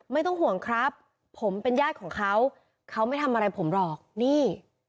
ไม่ต้องห่วงครับผมเป็นญาติของเขาเขาไม่ทำอะไรผมหรอกนี่